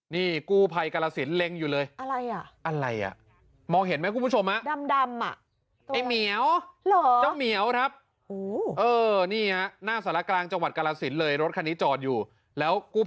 นี่กู้ไพกละศิลป์เล็งอยู่เลย